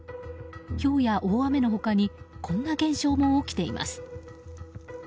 ひょうや大雨の他にこんな現象も起きています。